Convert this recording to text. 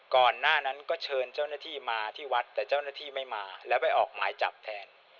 ก่อนหน้านั้นก็เชิญเจ้าหน้าที่มาที่วัดแต่เจ้าหน้าที่ไม่มาแล้วไปออกหมายจับแทน